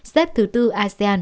xếp thứ ba asean